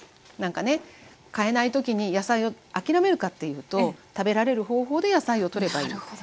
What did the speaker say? なんかね買えない時に野菜を諦めるかっていうと食べられる方法で野菜をとればいい。